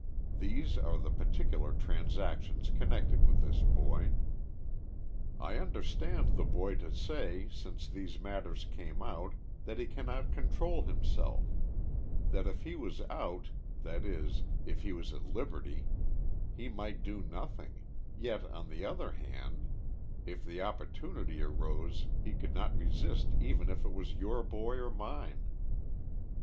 These are the particular transactions connected with this boy. I understand the boy to say, since these matters came out, that he cannot control himself ; that if he was out, that is, if he was at liberty, he might do nothing, yet, on the other hand, if the opportunity arose he could not resist even if it was your boy or mine.